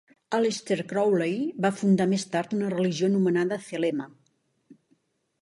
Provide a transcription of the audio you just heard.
Aleister Crowley va fundar més tard una religió anomenada thelema.